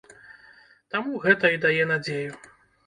Таму гэта і дае надзею.